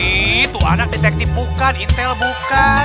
itu anak detektif bukan intel bukan